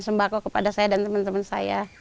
sembako kepada saya dan teman teman saya